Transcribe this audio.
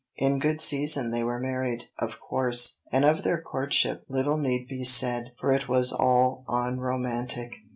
In good season they were married, of course; and of their courtship little need be said, for it was all unromantic.